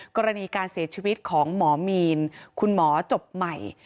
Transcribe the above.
กรณีการเสียชีวิตของหมอมีนคุณหมอจบใหม่